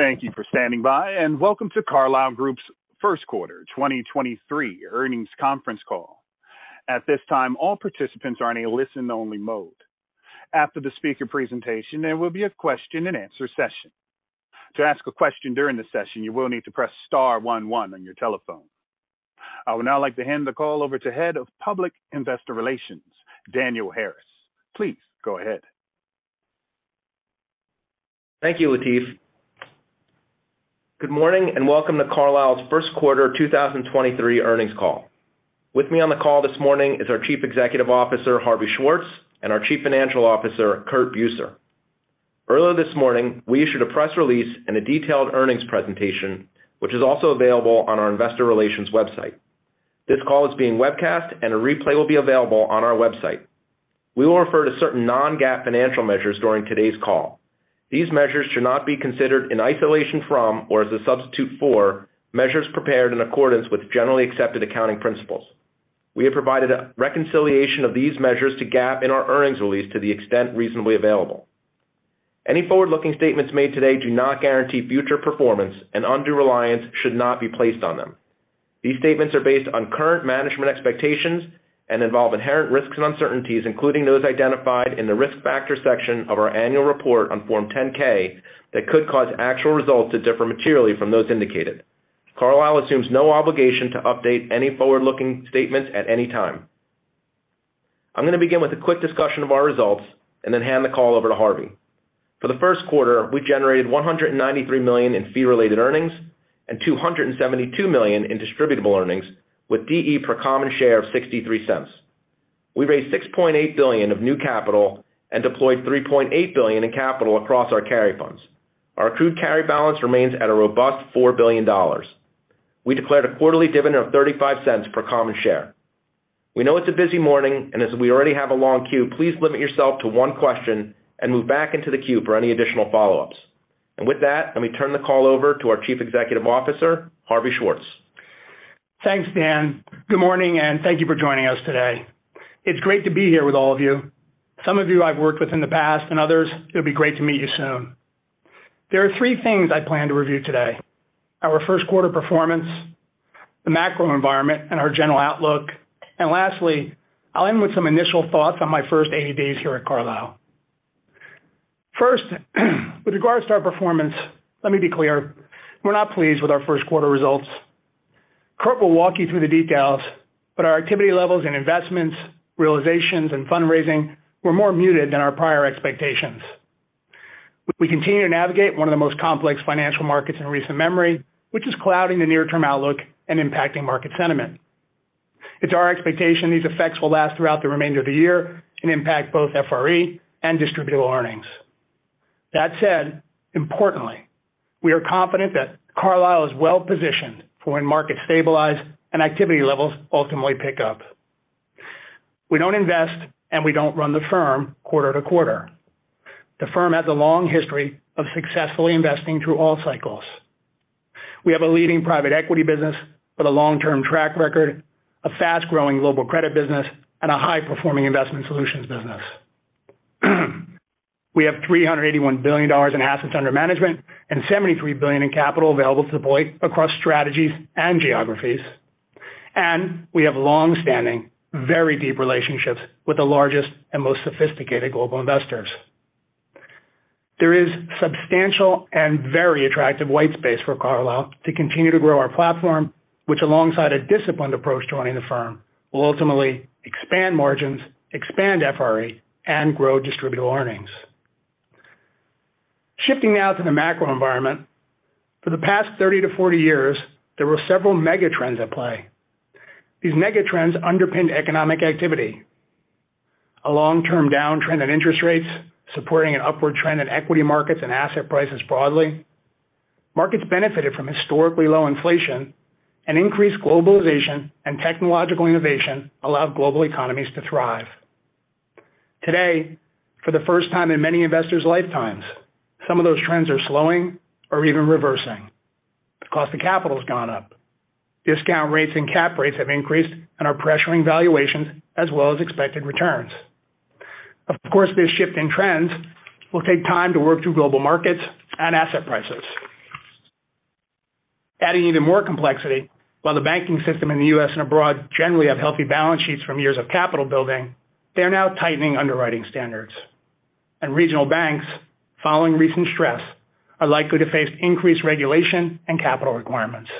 Thank you for standing by, and welcome to Carlyle Group's first quarter 2023 earnings conference call. At this time, all participants are in a listen-only mode. After the speaker presentation, there will be a question-and-answer session. To ask a question during the session, you will need to press star one one on your telephone. I would now like to hand the call over to Head of Public Investor Relations, Daniel Harris. Please go ahead. Thank you, Latif. Good morning and welcome to Carlyle's first quarter 2023 earnings call. With me on the call this morning is our Chief Executive Officer, Harvey Schwartz, and our Chief Financial Officer, Curt Buser. Earlier this morning, we issued a press release and a detailed earnings presentation, which is also available on our investor relations website. This call is being webcast, and a replay will be available on our website. We will refer to certain non-GAAP financial measures during today's call. These measures should not be considered in isolation from or as a substitute for measures prepared in accordance with generally accepted accounting principles. We have provided a reconciliation of these measures to GAAP in our earnings release to the extent reasonably available. Any forward-looking statements made today do not guarantee future performance, and undue reliance should not be placed on them. These statements are based on current management expectations and involve inherent risks and uncertainties, including those identified in the Risk Factors section of our annual report on Form 10-K, that could cause actual results to differ materially from those indicated. Carlyle assumes no obligation to update any forward-looking statements at any time. I'm going to begin with a quick discussion of our results and then hand the call over to Harvey. For the first quarter, we generated $193 million in fee-related earnings and $272 million in distributable earnings, with DE per common share of $0.63. We raised $6.8 billion of new capital and deployed $3.8 billion in capital across our carry funds. Our accrued carry balance remains at a robust $4 billion. We declared a quarterly dividend of $0.35 per common share. We know it's a busy morning, and as we already have a long queue, please limit yourself to one question and move back into the queue for any additional follow-ups. With that, let me turn the call over to our Chief Executive Officer, Harvey Schwartz. Thanks, Dan. Good morning, and thank you for joining us today. It's great to be here with all of you. Some of you I've worked with in the past, and others it'll be great to meet you soon. There are three things I plan to review today: our first quarter performance, the macro environment and our general outlook, and lastly, I'll end with some initial thoughts on my first 80 days here at Carlyle. First, with regards to our performance, let me be clear, we're not pleased with our first quarter results. Curt will walk you through the details, but our activity levels in investments, realizations, and fundraising were more muted than our prior expectations. We continue to navigate one of the most complex financial markets in recent memory, which is clouding the near-term outlook and impacting market sentiment. It's our expectation these effects will last throughout the remainder of the year and impact both FRE and distributable earnings. Importantly, we are confident that Carlyle is well-positioned for when markets stabilize and activity levels ultimately pick up. We don't invest, we don't run the firm quarter-to-quarter. The firm has a long history of successfully investing through all cycles. We have a leading private equity business with a long-term track record, a fast-growing Global Credit business, and a high-performing investment solutions business. We have $381 billion in assets under management and $73 billion in capital available to deploy across strategies and geographies. We have long-standing, very deep relationships with the largest and most sophisticated global investors. There is substantial and very attractive white space for Carlyle to continue to grow our platform, which alongside a disciplined approach to running the firm, will ultimately expand margins, expand FRE, and grow distributable earnings. Shifting now to the macro environment. For the past 30 to 40 years, there were several mega trends at play. These mega trends underpinned economic activity. A long-term downtrend in interest rates, supporting an upward trend in equity markets and asset prices broadly. Markets benefited from historically low inflation and increased globalization and technological innovation allowed global economies to thrive. Today, for the first time in many investors' lifetimes, some of those trends are slowing or even reversing. The cost of capital has gone up. Discount rates and cap rates have increased and are pressuring valuations as well as expected returns. Of course, this shift in trends will take time to work through global markets and asset prices. Adding even more complexity, while the banking system in the U.S. and abroad generally have healthy balance sheets from years of capital building, they are now tightening underwriting standards. Regional banks, following recent stress, are likely to face increased regulation and capital requirements.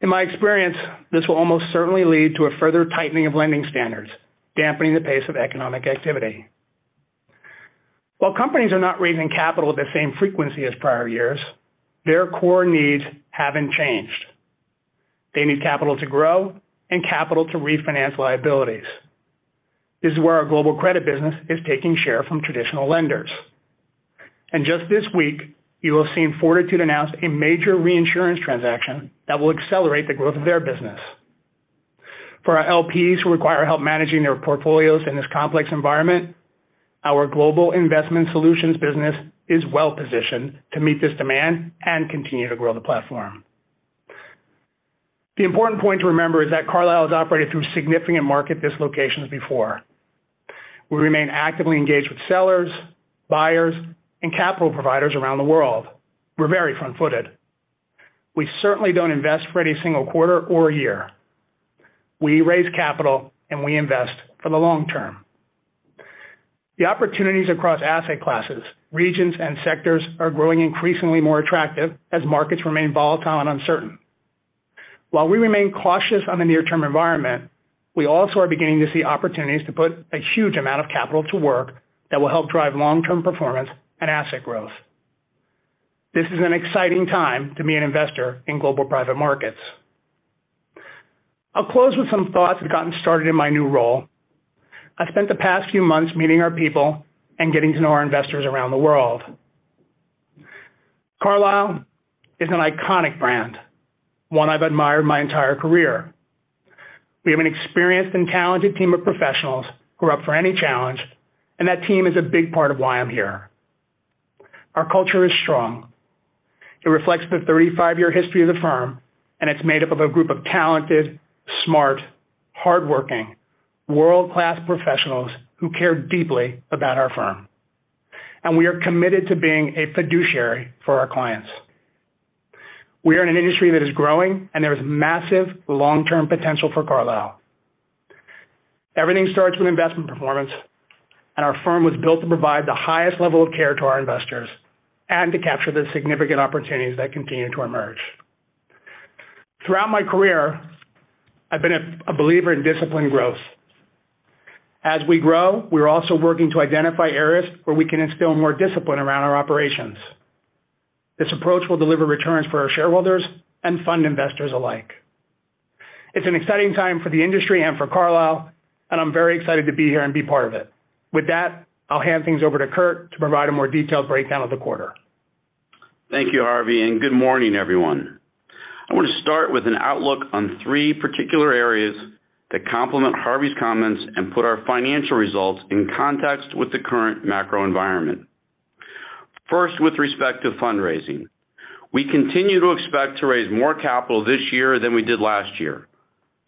In my experience, this will almost certainly lead to a further tightening of lending standards, dampening the pace of economic activity. While companies are not raising capital at the same frequency as prior years, their core needs haven't changed. They need capital to grow and capital to refinance liabilities. This is where our Global Credit business is taking share from traditional lenders. Just this week, you will have seen Fortitude announce a major reinsurance transaction that will accelerate the growth of their business. For our LPs who require help managing their portfolios in this complex environment, our global investment solutions business is well-positioned to meet this demand and continue to grow the platform. The important point to remember is that Carlyle has operated through significant market dislocations before. We remain actively engaged with sellers, buyers, and capital providers around the world. We're very front-footed. We certainly don't invest for any single quarter or year. We raise capital, and we invest for the long term. The opportunities across asset classes, regions, and sectors are growing increasingly more attractive as markets remain volatile and uncertain. While we remain cautious on the near-term environment, we also are beginning to see opportunities to put a huge amount of capital to work that will help drive long-term performance and asset growth. This is an exciting time to be an investor in global private markets. I'll close with some thoughts I've gotten started in my new role. I spent the past few months meeting our people and getting to know our investors around the world. Carlyle is an iconic brand, one I've admired my entire career. We have an experienced and talented team of professionals who are up for any challenge. That team is a big part of why I'm here. Our culture is strong. It reflects the 35-year history of the firm. It's made up of a group of talented, smart, hardworking, world-class professionals who care deeply about our firm. We are committed to being a fiduciary for our clients. We are in an industry that is growing. There is massive long-term potential for Carlyle. Everything starts with investment performance. Our firm was built to provide the highest level of care to our investors and to capture the significant opportunities that continue to emerge. Throughout my career, I've been a believer in disciplined growth. As we grow, we're also working to identify areas where we can instill more discipline around our operations. This approach will deliver returns for our shareholders and fund investors alike. It's an exciting time for the industry and for Carlyle, and I'm very excited to be here and be part of it. With that, I'll hand things over to Curt to provide a more detailed breakdown of the quarter. Thank you, Harvey, and good morning, everyone. I want to start with an outlook on three particular areas that complement Harvey's comments and put our financial results in context with the current macro environment. First, with respect to fundraising. We continue to expect to raise more capital this year than we did last year,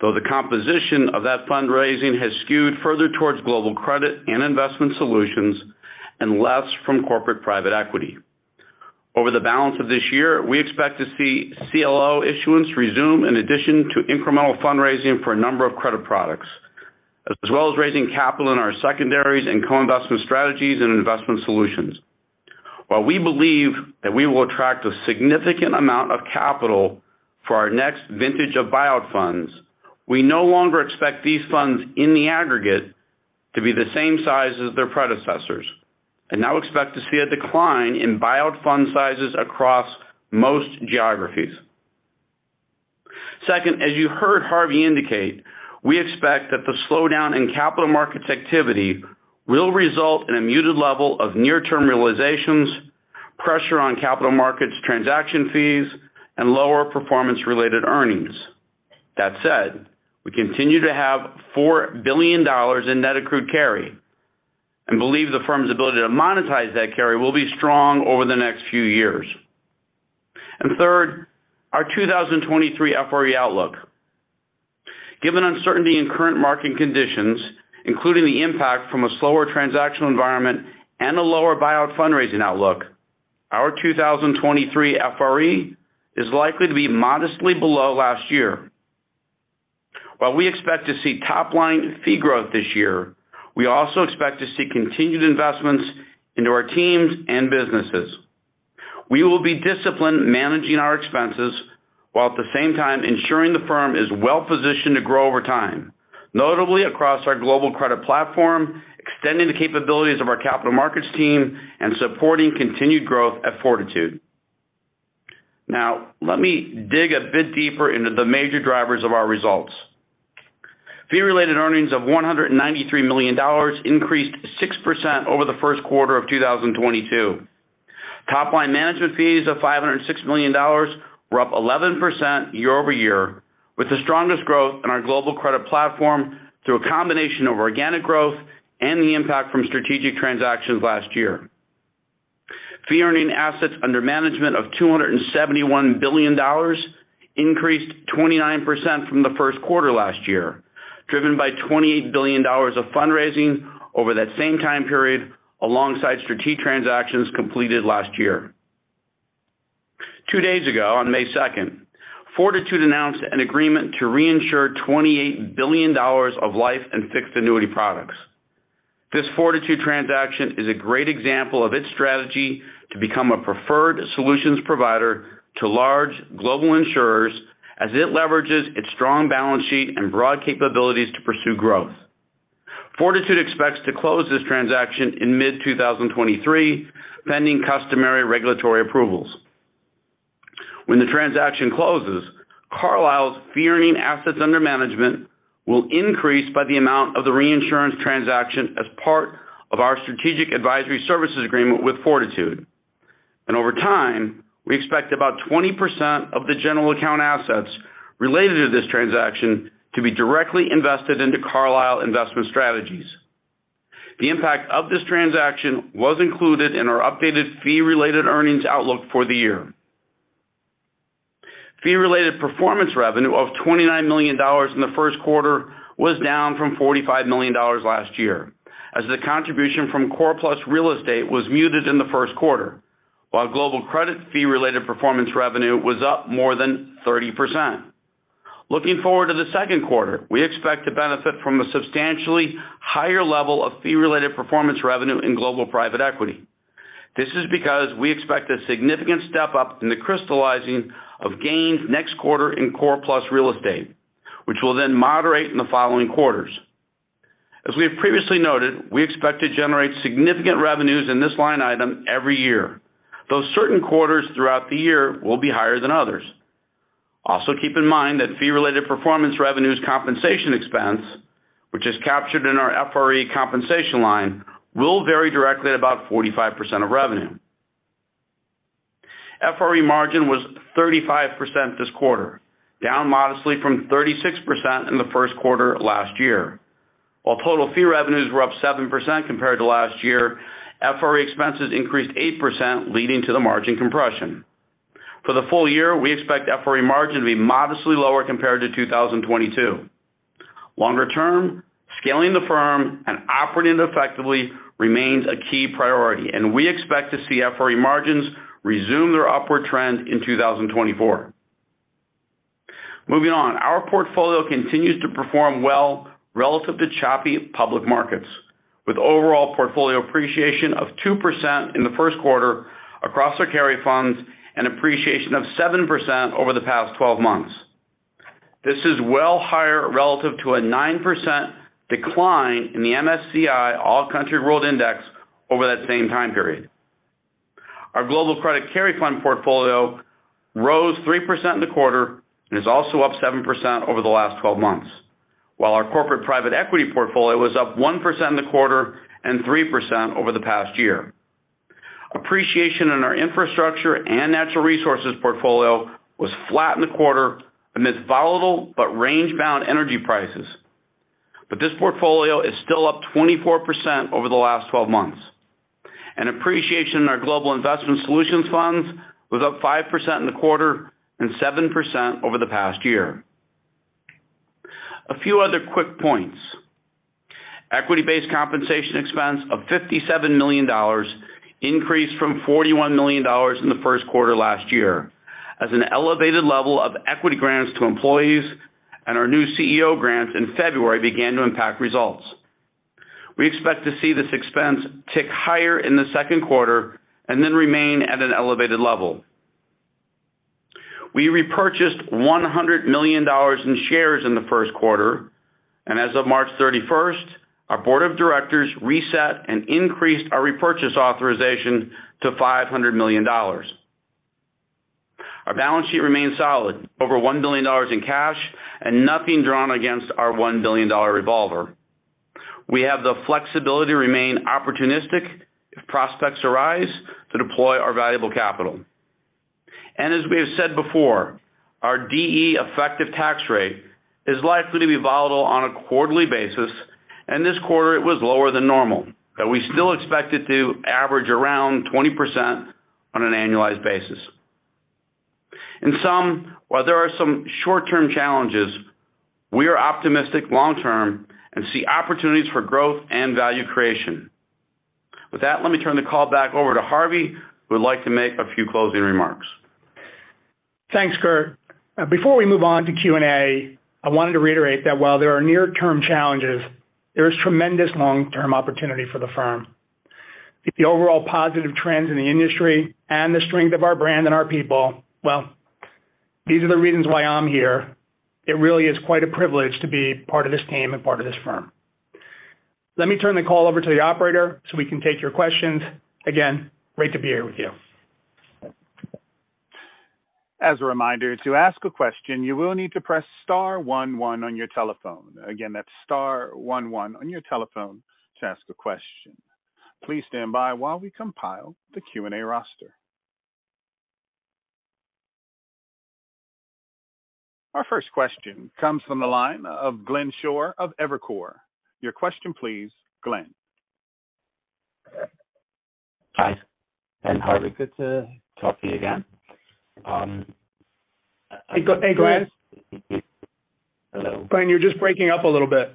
though the composition of that fundraising has skewed further towards Global Credit and investment solutions and less from corporate private equity. Over the balance of this year, we expect to see CLO issuance resume in addition to incremental fundraising for a number of credit products, as well as raising capital in our secondaries and co-investment strategies and investment solutions. While we believe that we will attract a significant amount of capital for our next vintage of buyout funds, we no longer expect these funds in the aggregate to be the same size as their predecessors, and now expect to see a decline in buyout fund sizes across most geographies. Second, as you heard Harvey indicate, we expect that the slowdown in capital markets activity will result in a muted level of near-term realizations, pressure on capital markets transaction fees, and lower performance-related earnings. That said, we continue to have $4 billion in net accrued carry and believe the firm's ability to monetize that carry will be strong over the next few years. Third, our 2023 FRE outlook. Given uncertainty in current market conditions, including the impact from a slower transactional environment and a lower buyout fundraising outlook, our 2023 FRE is likely to be modestly below last year. While we expect to see top-line fee growth this year, we also expect to see continued investments into our teams and businesses. We will be disciplined managing our expenses, while at the same time ensuring the firm is well-positioned to grow over time, notably across our Global Credit platform, extending the capabilities of our capital markets team, and supporting continued growth at Fortitude. Let me dig a bit deeper into the major drivers of our results. Fee-Related Earnings of $193 million increased 6% over the first quarter of 2022. Top-line management fees of $506 million were up 11% year-over-year, with the strongest growth in our Global Credit platform through a combination of organic growth and the impact from strategic transactions last year. Fee-Earning Assets Under Management of $271 billion increased 29% from the first quarter last year, driven by $28 billion of fundraising over that same time period alongside strategic transactions completed last year. Two days ago, on May 2nd, Fortitude announced an agreement to reinsure $28 billion of life and fixed annuity products. This Fortitude transaction is a great example of its strategy to become a preferred solutions provider to large global insurers as it leverages its strong balance sheet and broad capabilities to pursue growth. Fortitude expects to close this transaction in mid-2023, pending customary regulatory approvals. When the transaction closes, Carlyle's Fee-Earning Assets Under Management will increase by the amount of the reinsurance transaction as part of our strategic advisory services agreement with Fortitude. Over time, we expect about 20% of the general account assets related to this transaction to be directly invested into Carlyle investment strategies. The impact of this transaction was included in our updated fee-related earnings outlook for the year. Fee-related performance revenue of $29 million in the first quarter was down from $45 million last year, as the contribution from Core Plus Real Estate was muted in the first quarter. While Global Credit fee-related performance revenue was up more than 30%. Looking forward to the second quarter, we expect to benefit from a substantially higher level of fee-related performance revenue in global private equity. This is because we expect a significant step-up in the crystallizing of gains next quarter in Core Plus Real Estate, which will then moderate in the following quarters. As we have previously noted, we expect to generate significant revenues in this line item every year, though certain quarters throughout the year will be higher than others. Keep in mind that fee-related performance revenue compensation expense, which is captured in our FRE compensation line, will vary directly at about 45% of revenue. FRE margin was 35% this quarter, down modestly from 36% in the first quarter last year. While total fee revenues were up 7% compared to last year, FRE expenses increased 8% leading to the margin compression. For the full year, we expect FRE margin to be modestly lower compared to 2022. Longer term, scaling the firm and operating effectively remains a key priority, we expect to see FRE margins resume their upward trend in 2024. Moving on, our portfolio continues to perform well relative to choppy public markets, with overall portfolio appreciation of 2% in the first quarter across our carry funds and appreciation of 7% over the past 12 months. This is well higher relative to a 9% decline in the MSCI All Country World Index over that same time period. Our Global Credit carry fund portfolio rose 3% in the quarter and is also up 7% over the last 12 months. While our corporate private equity portfolio was up 1% in the quarter and 3% over the past year. Appreciation in our infrastructure and natural resources portfolio was flat in the quarter amidst volatile but range-bound energy prices. This portfolio is still up 24% over the last 12 months. Appreciation in our global investment solutions funds was up 5% in the quarter and 7% over the past year. A few other quick points. Equity-based compensation expense of $57 million increased from $41 million in the first quarter last year as an elevated level of equity grants to employees and our new CEO grant in February began to impact results. We expect to see this expense tick higher in the second quarter and then remain at an elevated level. We repurchased $100 million in shares in the first quarter, and as of March 31st, our board of directors reset and increased our repurchase authorization to $500 million. Our balance sheet remains solid, over $1 billion in cash and nothing drawn against our $1 billion revolver. We have the flexibility to remain opportunistic if prospects arise to deploy our valuable capital. As we have said before, our DE effective tax rate is likely to be volatile on a quarterly basis, and this quarter it was lower than normal, but we still expect it to average around 20% on an annualized basis. In sum, while there are some short-term challenges, we are optimistic long term and see opportunities for growth and value creation. With that, let me turn the call back over to Harvey, who would like to make a few closing remarks. Thanks, Curt. Before we move on to Q&A, I wanted to reiterate that while there are near-term challenges, there is tremendous long-term opportunity for the firm. The overall positive trends in the industry and the strength of our brand and our people, well, these are the reasons why I'm here. It really is quite a privilege to be part of this team and part of this firm. Let me turn the call over to the operator so we can take your questions. Again, great to be here with you. As a reminder, to ask a question, you will need to press star one one on your telephone. Again, that's star one one on your telephone to ask a question. Please stand by while we compile the Q&A roster. Our first question comes from the line of Glenn Schorr of Evercore. Your question, please, Glenn. Hi, Harvey. Good to talk to you again. Hey, Glenn. Hello. Glenn, you're just breaking up a little bit.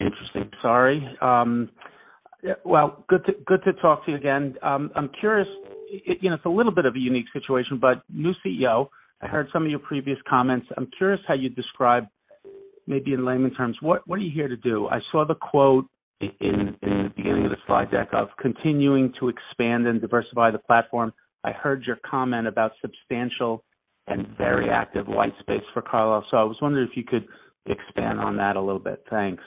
Interesting. Sorry. Well, good to talk to you again. I'm curious, you know, it's a little bit of a unique situation, but new CEO, I heard some of your previous comments. I'm curious how you describe maybe in layman's terms, what are you here to do? I saw the quote in the beginning of the slide deck of continuing to expand and diversify the platform. I heard your comment about substantial and very active white space for Carlyle's. I was wondering if you could expand on that a little bit. Thanks.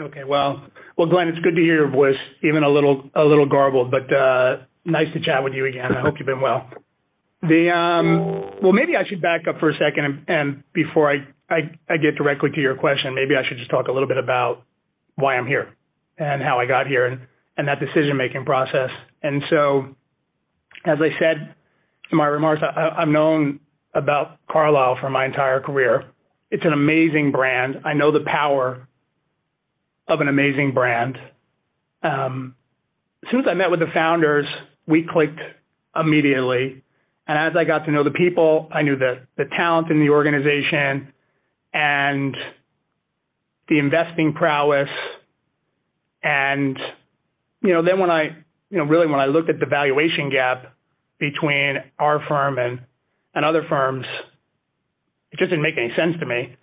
Okay. Well, Glenn, it's good to hear your voice, even a little, a little garbled, but nice to chat with you again. I hope you've been well. Maybe I should back up for a second and before I get directly to your question, maybe I should just talk a little bit about why I'm here and how I got here and that decision-making process. As I said in my remarks, I've known about Carlyle for my entire career. It's an amazing brand. I know the power of an amazing brand. As soon as I met with the founders, we clicked immediately. As I got to know the people, I knew the talent in the organization and the investing prowess. You know, when I... You know, really, when I looked at the valuation gap between our firm and other firms, it just didn't make any sense to me.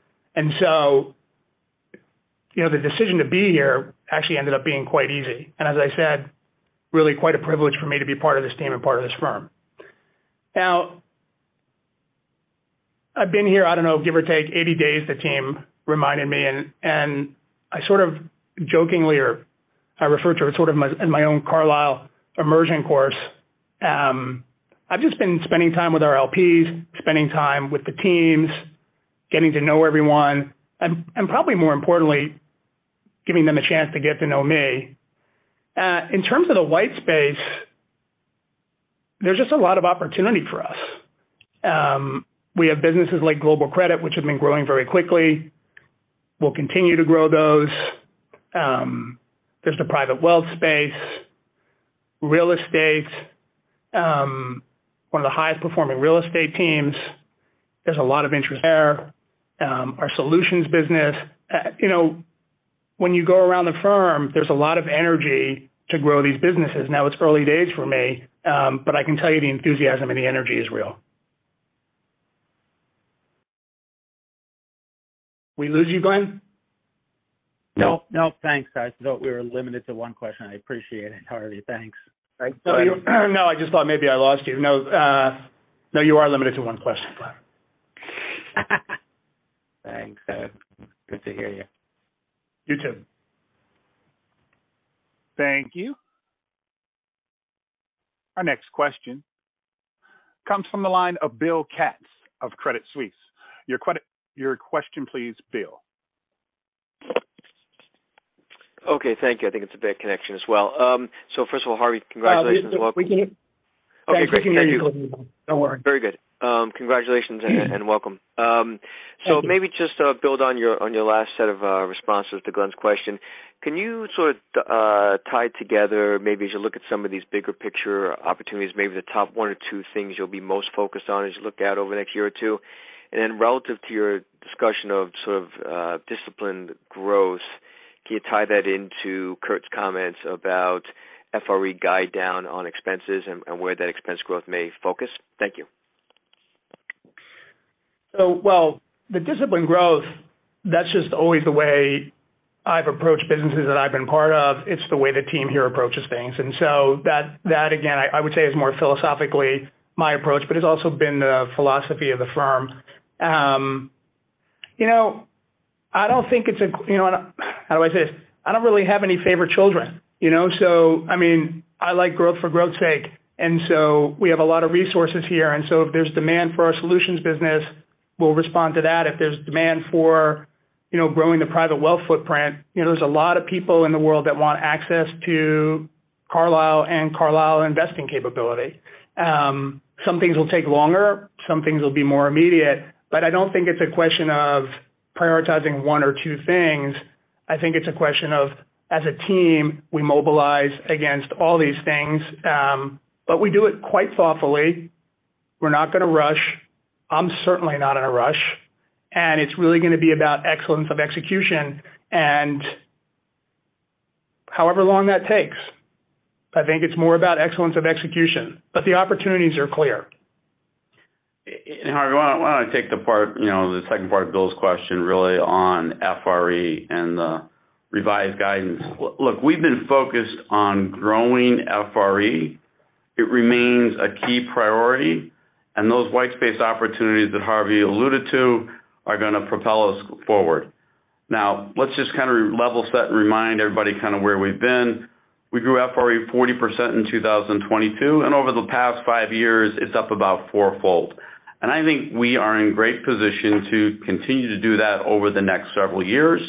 You know, the decision to be here actually ended up being quite easy. As I said, really quite a privilege for me to be part of this team and part of this firm. I've been here, I don't know, give or take 80 days, the team reminded me, and I sort of jokingly or I refer to it sort of in my own Carlyle immersion course. I've just been spending time with our LPs, spending time with the teams, getting to know everyone and probably more importantly, giving them a chance to get to know me. In terms of the white space, there's just a lot of opportunity for us. We have businesses like Global Credit, which have been growing very quickly. We'll continue to grow those. There's the private wealth space, real estate, one of the highest performing real estate teams. There's a lot of interest there. Our solutions business. you know, when you go around the firm, there's a lot of energy to grow these businesses. It's early days for me, but I can tell you the enthusiasm and the energy is real. We lose you, Glenn? No, no. Thanks, guys. We were limited to one question. I appreciate it, Harvey. Thanks. No, I just thought maybe I lost you. No, you are limited to one question. Thanks. Good to hear you. You too. Thank you. Our next question comes from the line of Bill Katz of Credit Suisse. Your question, please, Bill. Okay. Thank you. I think it's a bad connection as well. First of all, Harvey, congratulations. Welcome. We can hear you. Okay, great. Thank you. Don't worry. Very good. Congratulations and welcome. Thank you. Maybe just build on your, on your last set of responses to Glenn's question. Can you sort of tie together maybe as you look at some of these bigger picture opportunities, maybe the top one or two things you'll be most focused on as you look out over the next year or two? Relative to your discussion of sort of disciplined growth, can you tie that into Curt's comments about FRE guide down on expenses and where that expense growth may focus? Thank you. Well, the disciplined growth, that's just always the way I've approached businesses that I've been part of. It's the way the team here approaches things. That again, I would say is more philosophically my approach, but it's also been the philosophy of the firm. You know, how do I say this? I don't really have any favorite children, you know? I mean, I like growth for growth's sake. We have a lot of resources here, and so if there's demand for our solutions business, we'll respond to that. If there's demand for, you know, growing the private wealth footprint, you know, there's a lot of people in the world that want access to Carlyle and Carlyle investing capability. Some things will take longer, some things will be more immediate. I don't think it's a question of prioritizing one or two things. I think it's a question of, as a team, we mobilize against all these things. We do it quite thoughtfully. We're not gonna rush. I'm certainly not in a rush, and it's really gonna be about excellence of execution and however long that takes. I think it's more about excellence of execution, but the opportunities are clear. Harvey, why don't I take the part, you know, the second part of Bill's question really on FRE and the revised guidance. Look, we've been focused on growing FRE. It remains a key priority, and those white space opportunities that Harvey alluded to are gonna propel us forward. Now, let's just kinda level set and remind everybody kinda where we've been. We grew FRE 40% in 2022, and over the past five years it's up about four-fold. I think we are in great position to continue to do that over the next several years.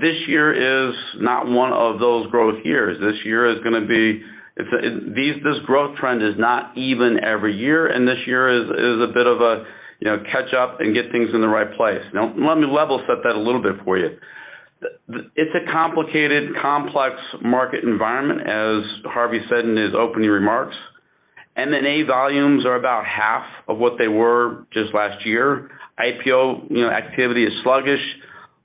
This year is not one of those growth years. This year is gonna be... this growth trend is not even every year, and this year is a bit of a, you know, catch up and get things in the right place. Now, let me level set that a little bit for you. It's a complicated, complex market environment, as Harvey said in his opening remarks. M&A volumes are about half of what they were just last year. IPO, you know, activity is sluggish.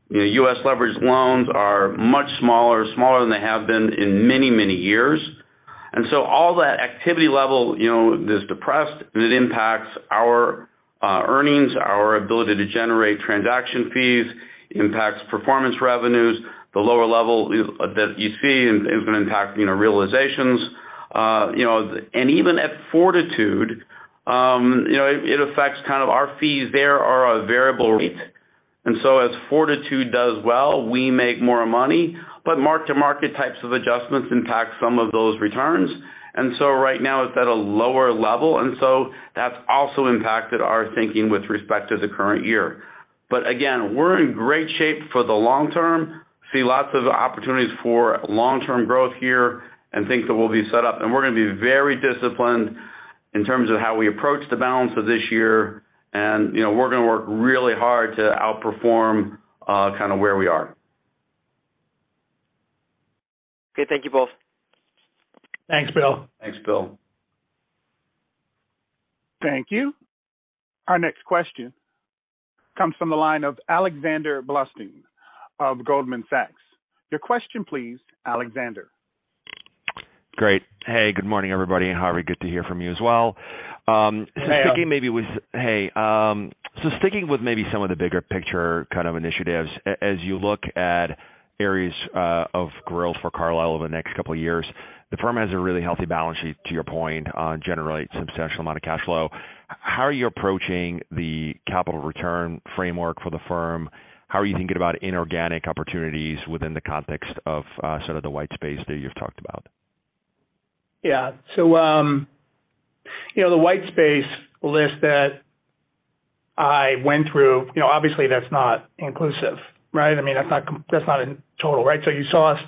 You know, US leveraged loans are much smaller than they have been in many, many years. All that activity level, you know, is depressed, and it impacts our earnings, our ability to generate transaction fees. It impacts performance revenues. The lower level that you see is gonna impact, you know, realizations. You know, and even at Fortitude, you know, it affects kind of our fees there are a variable rate. As Fortitude does well, we make more money, but mark-to-market types of adjustments impact some of those returns. Right now it's at a lower level, and so that's also impacted our thinking with respect to the current year. Again, we're in great shape for the long term. See lots of opportunities for long-term growth here and think that we'll be set up. We're gonna be very disciplined in terms of how we approach the balance of this year. You know, we're gonna work really hard to outperform, kind of where we are. Okay. Thank you both. Thanks, Bill. Thanks, Bill. Thank you. Our next question comes from the line of Alex Blostein of Goldman Sachs. Your question please, Alexander. Great. Hey, good morning, everybody, and Harvey, good to hear from you as well. sticking maybe Hey, Alex. Hey. Sticking with maybe some of the bigger picture kind of initiatives, as you look at areas of growth for Carlyle over the next couple of years, the firm has a really healthy balance sheet, to your point, generates substantial amount of cash flow. How are you approaching the capital return framework for the firm? How are you thinking about inorganic opportunities within the context of sort of the white space that you've talked about? Yeah. You know, the white space list that I went through, you know, obviously that's not inclusive, right? I mean, that's not in total, right? You saw us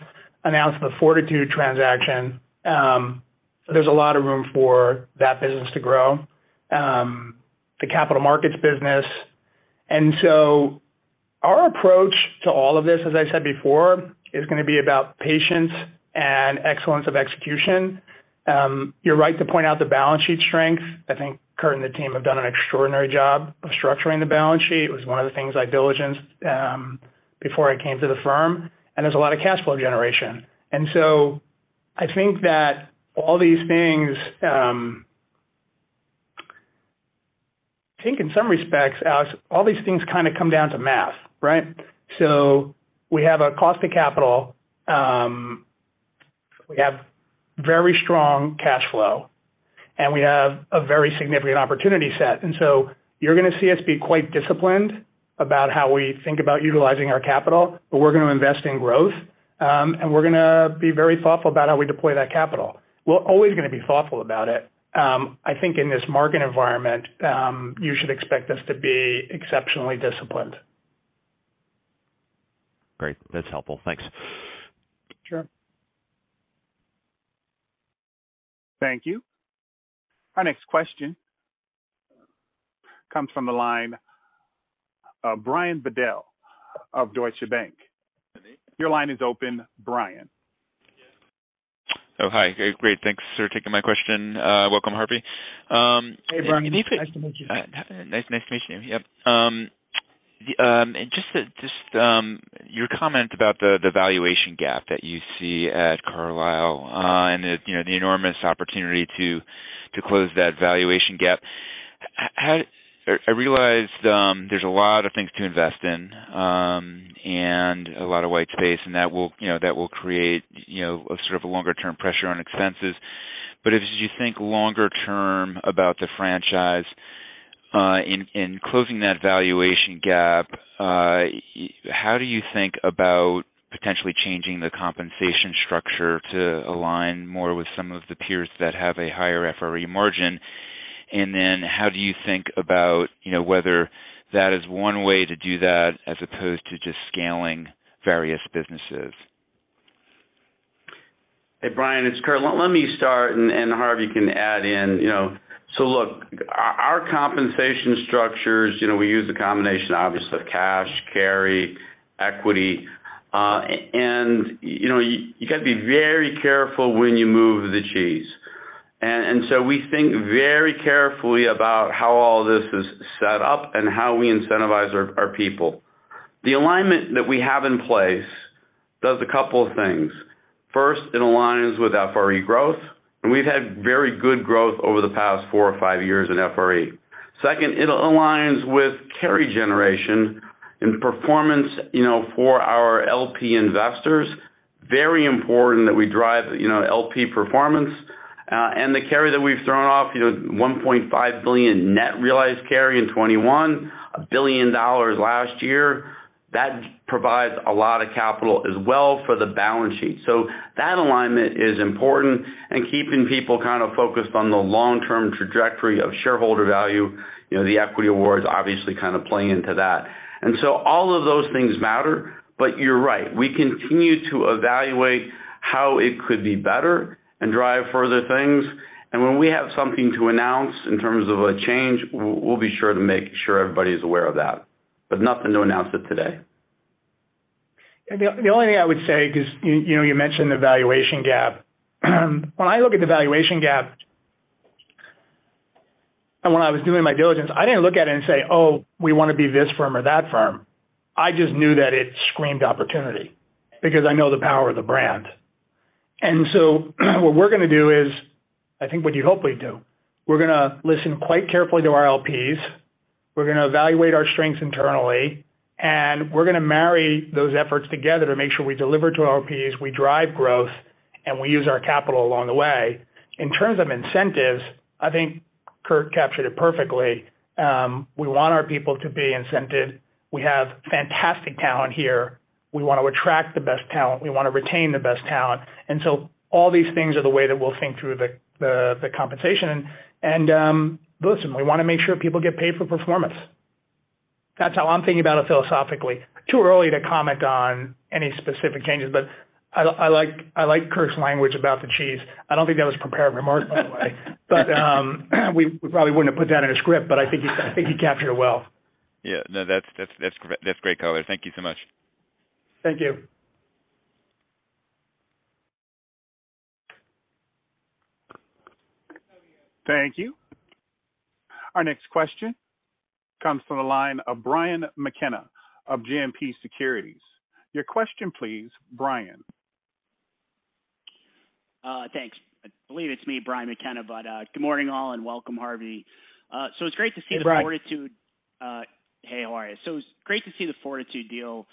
announce the Fortitude transaction. There's a lot of room for that business to grow, the capital markets business. Our approach to all of this, as I said before, is gonna be about patience and excellence of execution. You're right to point out the balance sheet strength. I think Curt and the team have done an extraordinary job of structuring the balance sheet. It was one of the things I diligenced before I came to the firm, and there's a lot of cash flow generation. I think that all these things, I think in some respects, Alex, all these things kinda come down to math, right? We have a cost of capital, we have very strong cash flow, and we have a very significant opportunity set. You're gonna see us be quite disciplined about how we think about utilizing our capital, but we're gonna invest in growth, and we're gonna be very thoughtful about how we deploy that capital. We're always gonna be thoughtful about it. I think in this market environment, you should expect us to be exceptionally disciplined. Great. That's helpful. Thanks. Sure. Thank you. Our next question comes from the line of Brian Bedell of Deutsche Bank. Your line is open, Brian. Hi. Great. Thanks for taking my question. Welcome, Harvey. Hey, Brian. Nice to meet you. Nice to meet you. Yep. Your comment about the valuation gap that you see at Carlyle, and the, you know, enormous opportunity to close that valuation gap. I realize there's a lot of things to invest in, and a lot of white space, and that will, you know, that will create, you know, a sort of a longer term pressure on expenses. As you think longer term about the franchise, in closing that valuation gap, how do you think about potentially changing the compensation structure to align more with some of the peers that have a higher FRE margin? How do you think about, you know, whether that is one way to do that as opposed to just scaling various businesses? Hey, Brian, it's Curt. Let me start and Harvey can add in. You know, so look, our compensation structures, you know, we use a combination obviously of cash, carry, equity, and, you know, you got to be very careful when you move the cheese. So we think very carefully about how all this is set up and how we incentivize our people. The alignment that we have in place does a couple of things. First, it aligns with FRE growth, and we've had very good growth over the past four or five years in FRE. Second, it aligns with carry generation and performance, you know, for our LP investors. Very important that we drive, you know, LP performance. The carry that we've thrown off, you know, $1.5 billion net realized carry in 2021, $1 billion last year. That provides a lot of capital as well for the balance sheet. That alignment is important and keeping people kind of focused on the long-term trajectory of shareholder value, you know, the equity awards obviously kind of play into that. All of those things matter, but you're right. We continue to evaluate how it could be better and drive further things. When we have something to announce in terms of a change, we'll be sure to make sure everybody's aware of that. Nothing to announce it today. The only thing I would say, 'cause you know, you mentioned the valuation gap. When I look at the valuation gap, and when I was doing my diligence, I didn't look at it and say, "Oh, we wanna be this firm or that firm." I just knew that it screamed opportunity because I know the power of the brand. What we're gonna do is, I think what you hope we do, we're gonna listen quite carefully to our LPs. We're gonna evaluate our strengths internally, and we're gonna marry those efforts together to make sure we deliver to our LPs, we drive growth, and we use our capital along the way. In terms of incentives, I think Curt captured it perfectly. We want our people to be incented. We have fantastic talent here. We want to attract the best talent. We want to retain the best talent. All these things are the way that we'll think through the compensation. Listen, we wanna make sure people get paid for performance. That's how I'm thinking about it philosophically. Too early to comment on any specific changes, I like Curt's language about the cheese. I don't think that was a prepared remark, by the way. We probably wouldn't have put that in a script, I think he captured it well. Yeah, no, that's great, that's great color. Thank you so much. Thank you. Thank you. Our next question comes from the line of Brian McKenna of JMP Securities. Your question, please, Brian. Thanks. I believe it's me, Brian McKenna. Good morning, all, and welcome, Harvey. It's great to see. Brian. Hey, how are you? It's great to see the Fortitude deal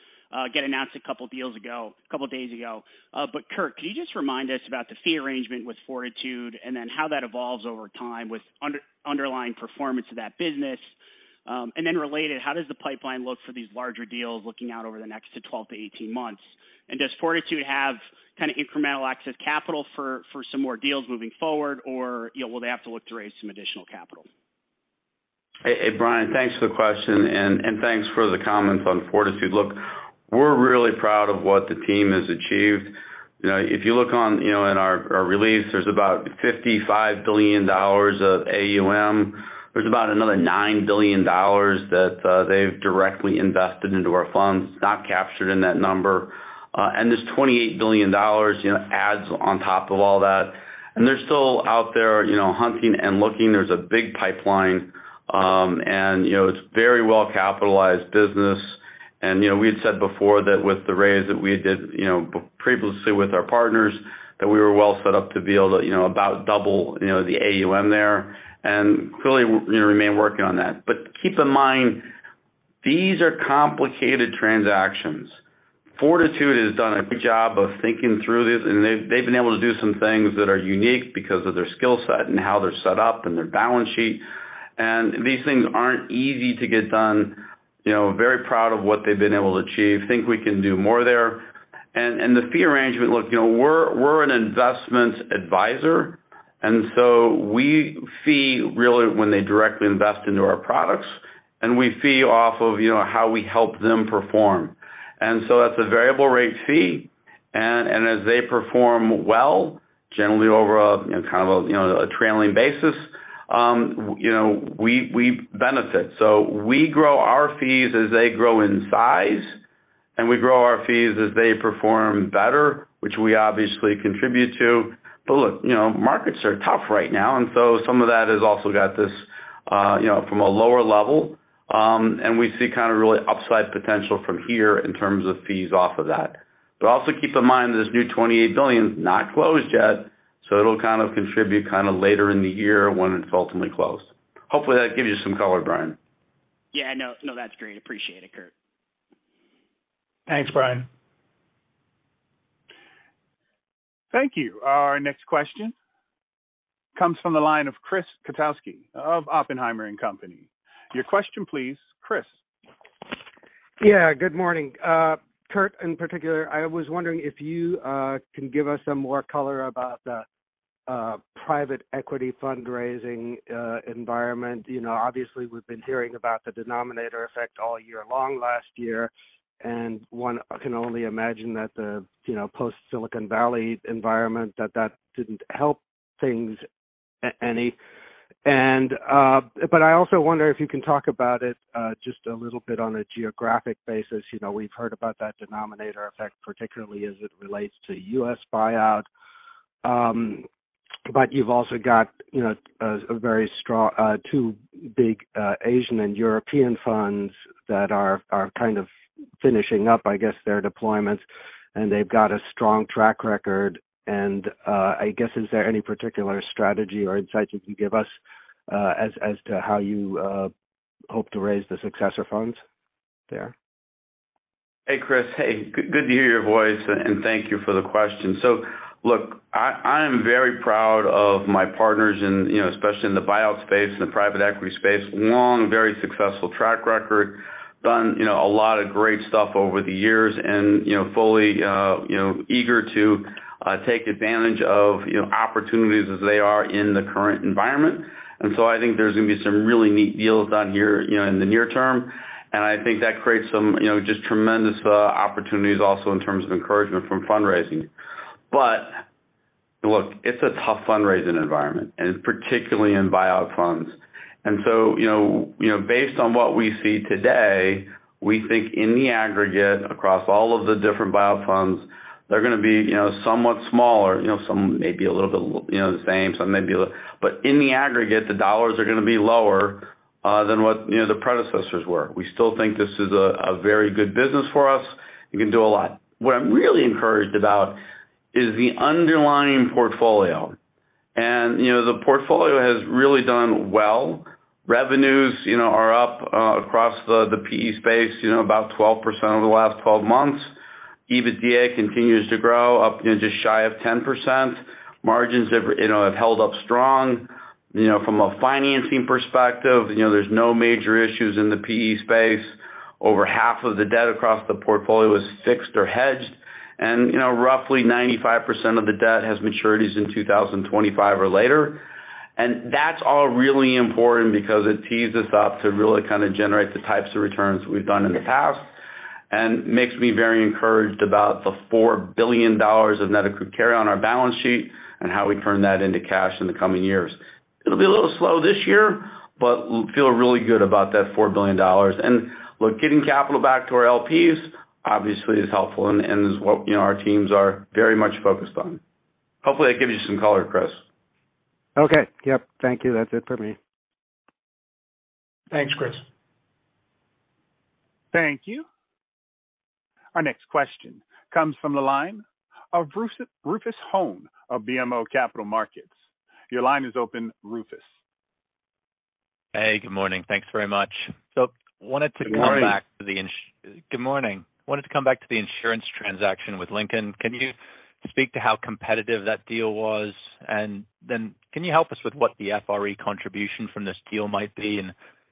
get announced a couple days ago. Curt, can you just remind us about the fee arrangement with Fortitude and then how that evolves over time with underlying performance of that business? Related, how does the pipeline look for these larger deals looking out over the next to 12 to 18 months? Does Fortitude have kinda incremental access capital for some more deals moving forward? Or, you know, will they have to look to raise some additional capital? Hey, Brian, thanks for the question and thanks for the comments on Fortitude. Look, we're really proud of what the team has achieved. You know, if you look in our release, there's about $55 billion of AUM. There's about another $9 billion that they've directly invested into our funds, not captured in that number. There's $28 billion, you know, adds on top of all that. They're still out there, you know, hunting and looking. There's a big pipeline. You know, it's a very well-capitalized business. You know, we had said before that with the raise that we did, you know, previously with our partners, that we were well set up to be able to, you know, about double, you know, the AUM there. Clearly, we, you know, remain working on that. Keep in mind, these are complicated transactions. Fortitude has done a good job of thinking through this, and they've been able to do some things that are unique because of their skill set and how they're set up and their balance sheet. These things aren't easy to get done, you know, very proud of what they've been able to achieve. Think we can do more there. The fee arrangement, look, you know, we're an investment advisor, and so we fee really when they directly invest into our products, and we fee off of, you know, how we help them perform. That's a variable rate fee. As they perform well, generally over a, you know, kind of a, you know, a trailing basis, you know, we benefit. We grow our fees as they grow in size, and we grow our fees as they perform better, which we obviously contribute to. Look, you know, markets are tough right now, and so some of that has also got this, you know, from a lower level, and we see kinda really upside potential from here in terms of fees off of that. Also keep in mind this new $28 billion's not closed yet, so it'll kind of contribute kinda later in the year when it's ultimately closed. Hopefully, that gives you some color, Brian. Yeah, no, that's great. Appreciate it, Curt. Thanks, Brian. Thank you. Our next question comes from the line of Chris Kotowski of Oppenheimer & Company. Your question, please, Chris. Yeah, good morning. Curt, in particular, I was wondering if you can give us some more color about the private equity fundraising environment. You know, obviously, we've been hearing about the denominator effect all year long last year, one can only imagine that the, you know, post-Silicon Valley environment, that that didn't help things any. I also wonder if you can talk about it just a little bit on a geographic basis. You know, we've heard about that denominator effect, particularly as it relates to U.S. buyout. You've also got, you know, a very strong two big Asian and European funds that are kind of finishing up, I guess, their deployments, they've got a strong track record. I guess, is there any particular strategy or insight you can give us, as to how you hope to raise the successor funds there? Hey, Chris. Hey, good to hear your voice, and thank you for the question. Look, I am very proud of my partners in, you know, especially in the buyout space and the private equity space. Long, very successful track record. Done, you know, a lot of great stuff over the years and, you know, fully, you know, eager to take advantage of, you know, opportunities as they are in the current environment. I think there's gonna be some really neat deals done here, you know, in the near term, and I think that creates some, you know, just tremendous opportunities also in terms of encouragement from fundraising. Look, it's a tough fundraising environment, and particularly in buyout funds. You know, based on what we see today, we think in the aggregate, across all of the different buyout funds, they're gonna be, you know, somewhat smaller. You know, some may be a little bit, you know, the same, some may be a little. In the aggregate, the dollars are gonna be lower than what, you know, the predecessors were. We still think this is a very good business for us. You can do a lot. What I'm really encouraged about is the underlying portfolio. You know, the portfolio has really done well. Revenues, you know, are up across the PE space, you know, about 12% over the last 12 months. EBITDA continues to grow, up, you know, just shy of 10%. Margins have held up strong. You know, from a financing perspective, you know, there's no major issues in the PE space. Over half of the debt across the portfolio is fixed or hedged. You know, roughly 95% of the debt has maturities in 2025 or later. That's all really important because it tees us up to really kind of generate the types of returns we've done in the past and makes me very encouraged about the $4 billion of net equity carry on our balance sheet and how we turn that into cash in the coming years. It'll be a little slow this year, but we feel really good about that $4 billion. Look, getting capital back to our LPs obviously is helpful and is what, you know, our teams are very much focused on. Hopefully, that gives you some color, Chris. Okay. Yep. Thank you. That's it for me. Thanks, Chris. Thank you. Our next question comes from the line of Rufus Hone of BMO Capital Markets. Your line is open, Rufus. Hey, good morning. Thanks very much. Wanted to. Good morning. Good morning. Wanted to come back to the insurance transaction with Lincoln. Can you speak to how competitive that deal was? Can you help us with what the FRE contribution from this deal might be?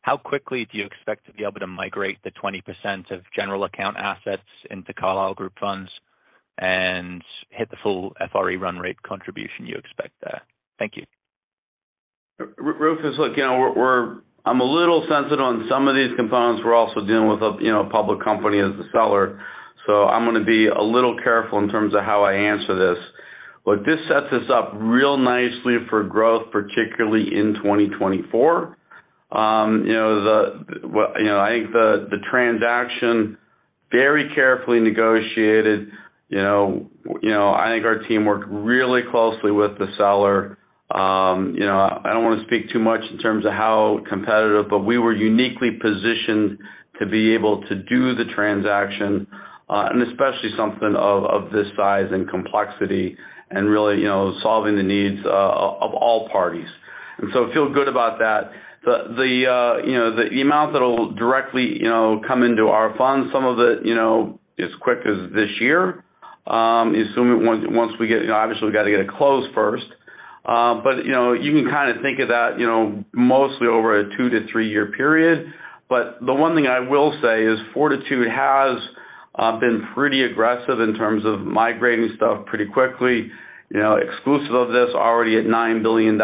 How quickly do you expect to be able to migrate the 20% of general account assets into Carlyle Group funds and hit the full FRE run rate contribution you expect there? Thank you. Rufus, look, you know, we're I'm a little sensitive on some of these components. We're also dealing with a, you know, a public company as the seller, so I'm gonna be a little careful in terms of how I answer this. This sets us up real nicely for growth, particularly in 2024. You know, the, well, you know, I think the transaction very carefully negotiated. You know, you know, I think our team worked really closely with the seller. You know, I don't wanna speak too much in terms of how competitive, but we were uniquely positioned to be able to do the transaction, and especially something of this size and complexity and really, you know, solving the needs of all parties. Feel good about that. The, the, you know, the amount that'll directly, you know, come into our funds, some of it, you know, as quick as this year, assuming once we get obviously we've got to get a close first. You know, you can kinda think of that, you know, mostly over a 2-3-year period. The one thing I will say is Fortitude has been pretty aggressive in terms of migrating stuff pretty quickly. You know, exclusive of this already at $9 billion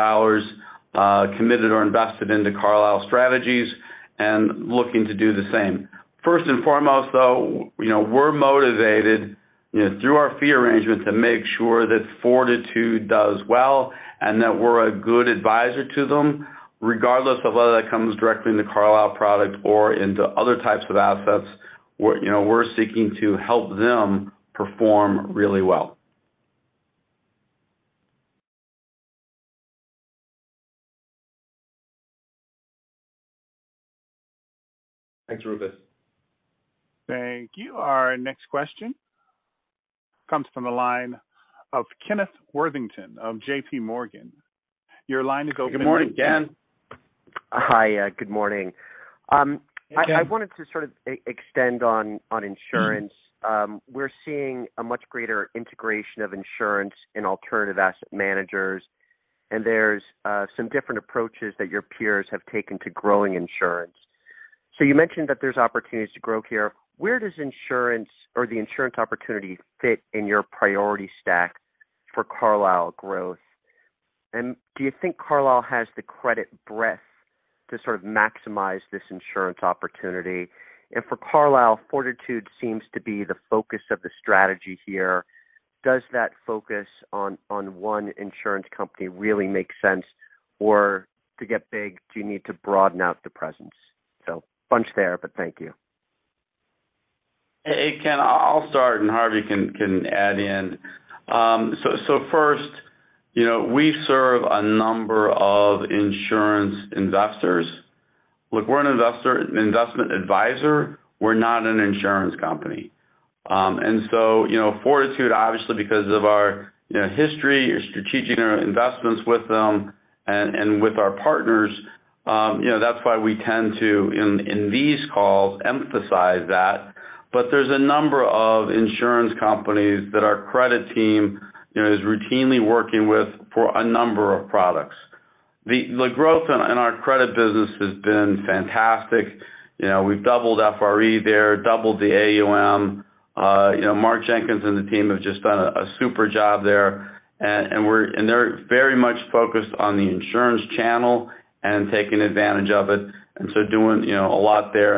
committed or invested into Carlyle Strategies and looking to do the same. First and foremost, though, you know, we're motivated, you know, through our fee arrangement to make sure that Fortitude does well and that we're a good advisor to them, regardless of whether that comes directly in the Carlyle product or into other types of assets. We're, you know, we're seeking to help them perform really well. Thanks, Rufus. Thank you. Our next question comes from the line of Kenneth Worthington of JP Morgan. Your line is open. Good morning, Ken. Hi. Good morning. Hey, Ken. I wanted to sort of extend on insurance. We're seeing a much greater integration of insurance in alternative asset managers, there's some different approaches that your peers have taken to growing insurance. You mentioned that there's opportunities to grow here. Where does insurance or the insurance opportunity fit in your priority stack for Carlyle growth? Do you think Carlyle has the credit breadth to sort of maximize this insurance opportunity? For Carlyle, Fortitude seems to be the focus of the strategy here. Does that focus on one insurance company really make sense? To get big, do you need to broaden out the presence? Bunch there, thank you. Hey, Ken, I'll start. Harvey can add in. First, you know, we serve a number of insurance investors. Look, we're an investor, an investment advisor, we're not an insurance company. You know, Fortitude, obviously, because of our, you know, history or strategic investments with them and with our partners, you know, that's why we tend to, in these calls, emphasize that. There's a number of insurance companies that our credit team, you know, is routinely working with for a number of products. The growth in our credit business has been fantastic. You know, we've doubled FRE there, doubled the AUM. You know, Mark Jenkins and the team have just done a super job there, and they're very much focused on the insurance channel and taking advantage of it, doing, you know, a lot there.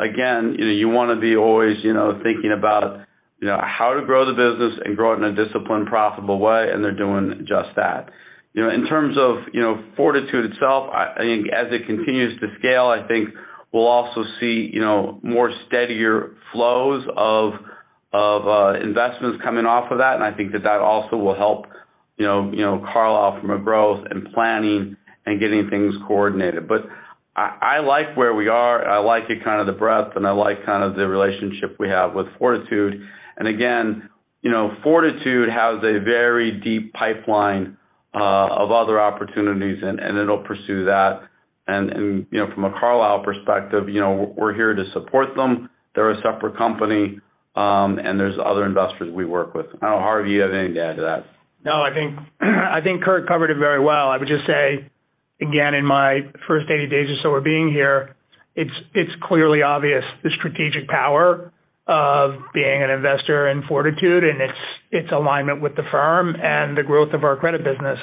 Again, you know, you wanna be always, you know, thinking about, you know, how to grow the business and grow it in a disciplined, profitable way, and they're doing just that. You know, in terms of, you know, Fortitude itself, I think as it continues to scale, I think we'll also see, you know, more steadier flows of investments coming off of that, and I think that that also will help, you know, Carlyle from a growth and planning and getting things coordinated. I like where we are. I like it kind of the breadth, and I like kind of the relationship we have with Fortitude. Again, you know, Fortitude has a very deep pipeline of other opportunities, and it'll pursue that. You know, from a Carlyle perspective, you know, we're here to support them. They're a separate company, and there's other investors we work with. I don't know, Harvey, you have anything to add to that? No, I think, Curt covered it very well. I would just say, again, in my first 80 days or so of being here, it's clearly obvious the strategic power of being an investor in Fortitude and its alignment with the firm and the growth of our credit business.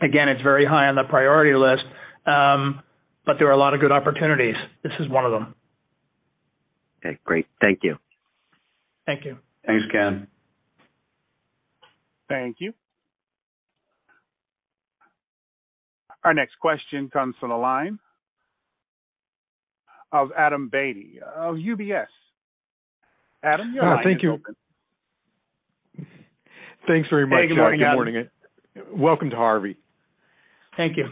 Again, it's very high on the priority list, but there are a lot of good opportunities. This is one of them. Okay, great. Thank you. Thank you. Thanks, Ken. Thank you. Our next question comes from the line of Adam Beatty of UBS. Adam, your line is open. Thank you. Thanks very much. Hey, good morning, Adam. Good morning. Welcome to Harvey. Thank you.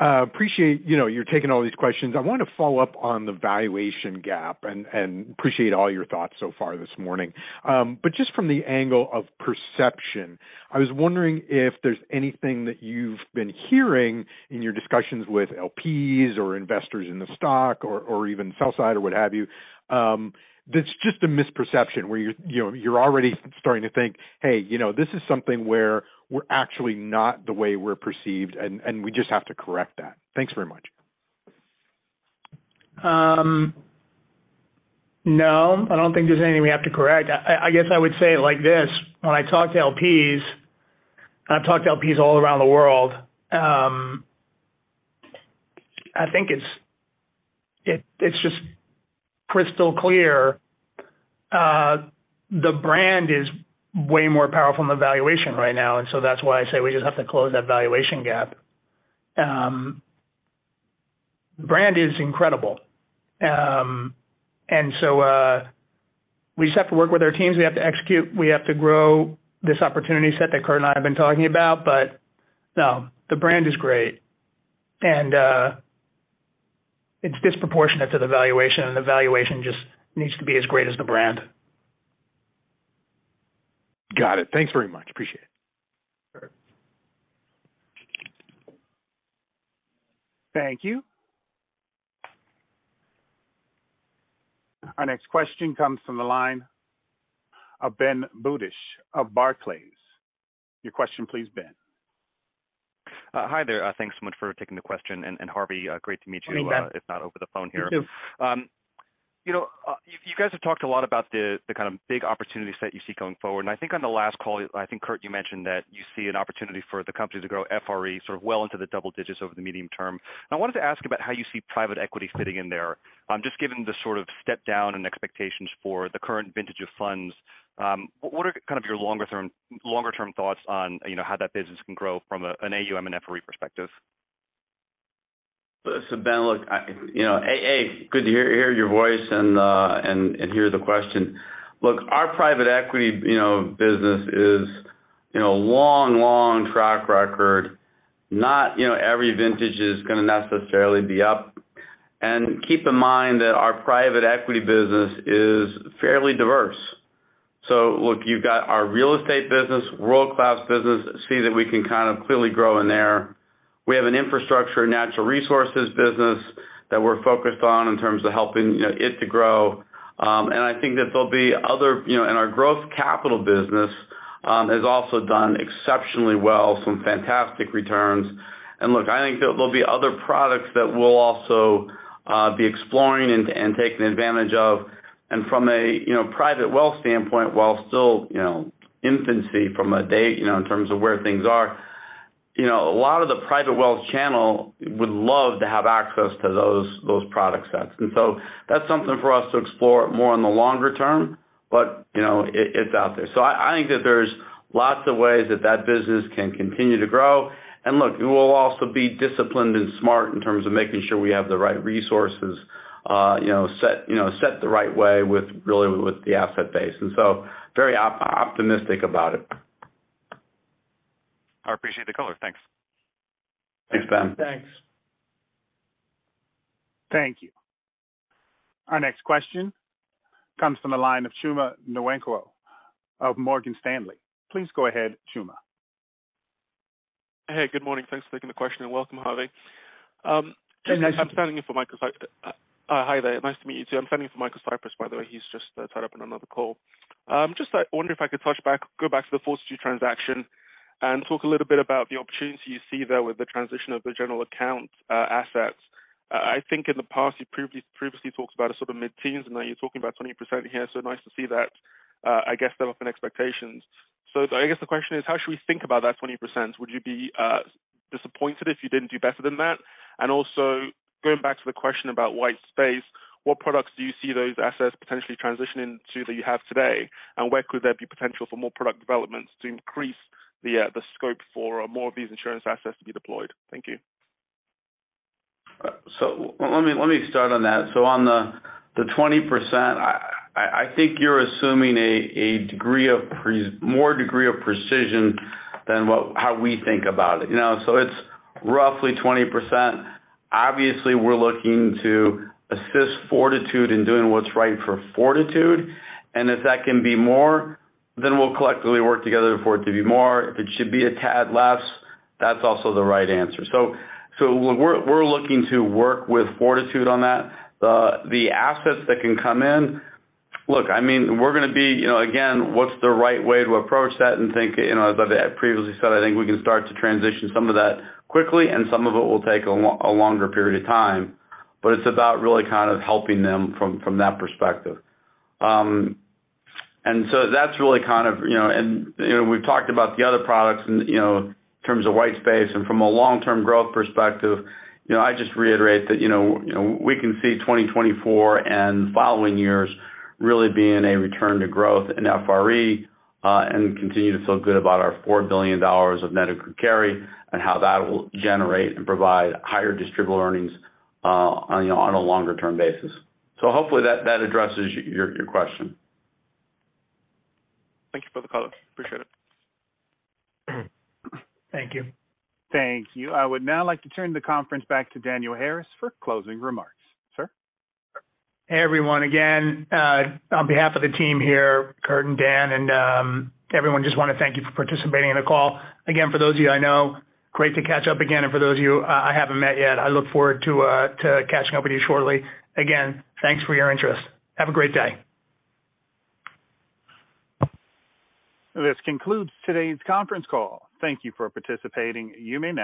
Appreciate, you know, you're taking all these questions. I want to follow up on the valuation gap and appreciate all your thoughts so far this morning. Just from the angle of perception, I was wondering if there's anything that you've been hearing in your discussions with LPs or investors in the stock or even sell side or what have you, that's just a misperception where you're, you know, you're already starting to think, "Hey, you know, this is something where we're actually not the way we're perceived, and we just have to correct that." Thanks very much. No, I don't think there's anything we have to correct. I guess I would say it like this. When I talk to LPs, and I've talked to LPs all around the world, I think it's just crystal clear, the brand is way more powerful than the valuation right now. That's why I say we just have to close that valuation gap. The brand is incredible. We just have to work with our teams. We have to execute. We have to grow this opportunity set that Curt and I have been talking about. No, the brand is great. It's disproportionate to the valuation, and the valuation just needs to be as great as the brand. Got it. Thanks very much. Appreciate it. Sure. Thank you. Our next question comes from the line of Ben Budish of Barclays. Your question please, Ben. Hi there. Thanks so much for taking the question. Harvey, great to meet. Morning, Ben. if not over the phone here. Thank you. You know, you guys have talked a lot about the kind of big opportunities that you see going forward. I think on the last call, I think, Curt, you mentioned that you see an opportunity for the company to grow FRE sort of well into the double digits over the medium term. I wanted to ask about how you see private equity fitting in there. Just given the sort of step down in expectations for the current vintage of funds, what are kind of your longer term thoughts on, you know, how that business can grow from an AUM and FRE perspective? Ben, look, I, you know, good to hear your voice and hear the question. Look, our private equity, you know, business is, you know, long track record. Not, you know, every vintage is gonna necessarily be up. Keep in mind that our private equity business is fairly diverse. Look, you've got our real estate business, world-class business. See that we can kind of clearly grow in there. We have an infrastructure, natural resources business that we're focused on in terms of helping, you know, it to grow. I think that there'll be other, you know, and our growth capital business has also done exceptionally well, some fantastic returns. Look, I think there'll be other products that we'll also be exploring and taking advantage of. From a, you know, private wealth standpoint, while still, you know, infancy from a date, you know, in terms of where things are, you know, a lot of the private wealth channel would love to have access to those product sets. That's something for us to explore more in the longer term, but, you know, it's out there. I think that there's lots of ways that that business can continue to grow. Look, we will also be disciplined and smart in terms of making sure we have the right resources, you know, set the right way with really with the asset base. Very optimistic about it. I appreciate the color. Thanks. Thanks, Ben. Thanks. Thank you. Our next question comes from the line of Chuma Nwankwo of Morgan Stanley. Please go ahead, Chuma. Hey, good morning. Thanks for taking the question and welcome, Harvey. Hey, nice to meet you. Hi there. Nice to meet you too. I'm standing in for Michael Cyprys, by the way. He's just tied up in another call. Just wonder if I could touch back, go back to the Fortitude transaction and talk a little bit about the opportunity you see there with the transition of the general account assets. I think in the past, you've previously talked about a sort of mid-teens. Now you're talking about 20% here. Nice to see that, I guess, step up in expectations. I guess the question is, how should we think about that 20%? Would you be disappointed if you didn't do better than that? Also, going back to the question about white space, what products do you see those assets potentially transitioning to that you have today? Where could there be potential for more product developments to increase the scope for more of these insurance assets to be deployed? Thank you. Let me start on that. On the 20%, I think you're assuming a degree of more degree of precision than how we think about it, you know? It's roughly 20%. Obviously, we're looking to assist Fortitude in doing what's right for Fortitude. If that can be more, then we'll collectively work together for it to be more. If it should be a tad less, that's also the right answer. We're looking to work with Fortitude on that. The assets that can come in... Look, I mean, we're gonna be, you know, again, what's the right way to approach that and think, you know, as I've previously said, I think we can start to transition some of that quickly, and some of it will take a longer period of time, but it's about really kind of helping them from that perspective. That's really kind of, you know, and, you know, we've talked about the other products and, you know, in terms of white space and from a long-term growth perspective, you know, I just reiterate that, you know, you know, we can see 2024 and following years really being a return to growth in FRE, and continue to feel good about our $4 billion of net carry and how that will generate and provide higher distributable earnings on a longer term basis. Hopefully that addresses your question. Thank you for the color. Appreciate it. Thank you. Thank you. I would now like to turn the conference back to Daniel Harris for closing remarks. Sir? Hey, everyone. Again, on behalf of the team here, Curt and Dan and everyone, just wanna thank you for participating in the call. Again, for those of you I know, great to catch up again. For those of you I haven't met yet, I look forward to catching up with you shortly. Again, thanks for your interest. Have a great day. This concludes today's conference call. Thank you for participating. You may now disconnect.